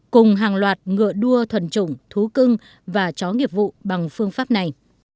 cùng hàng loạt ngựa đua thuần trùng thú cưng và chó nghiệp vụ bằng phương pháp này